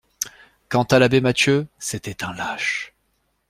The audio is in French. Quant à l'abbé Mathieu, c'était un lâche.